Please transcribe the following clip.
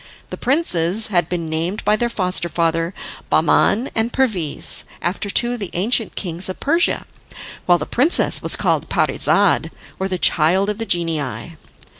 The princes had been named by their foster father Bahman and Perviz, after two of the ancient kings of Persia, while the princess was called Parizade, or the child of the genii.